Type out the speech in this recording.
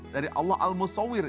dari allah al musawwir